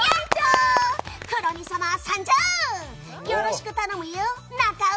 よろしく頼むよ中尾